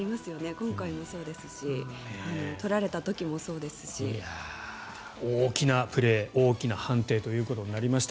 今回もそうですし。取られた時もそうですし。大きなプレー大きな判定となりました。